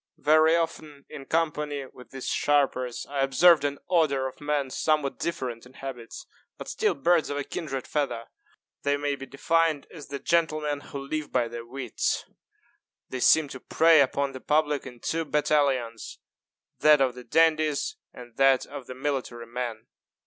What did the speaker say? Very often, in company with these sharpers, I observed an order of men somewhat different in habits, but still birds of a kindred feather. They may be defined as the gentlemen who live by their wits. They seem to prey upon the public in two battalions that of the dandies and that of the military men.